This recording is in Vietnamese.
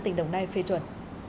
tỉnh đồng nai phê chuẩn